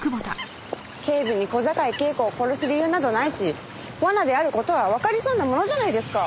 警部に小坂井恵子を殺す理由などないし罠である事はわかりそうなものじゃないですか。